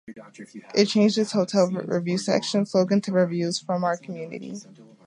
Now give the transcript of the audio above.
It changed its hotel review section slogan to 'reviews from our community.